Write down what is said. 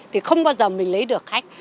thì không bao giờ mình lấy được khách